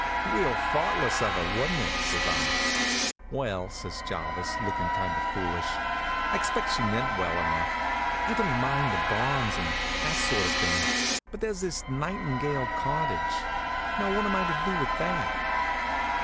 "Real thoughtless of her, wa'n't it?" says I. "Well," says Jarvis, lookin' kind of foolish, "I expect she meant well enough. I don't mind the bonds, and that sort of thing, but there's this Nightingale Cottage. Now, what am I to do with that?"